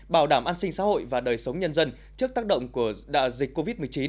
bảo đảm an sinh xã hội và đời sống nhân dân trước tác động của đại dịch covid một mươi chín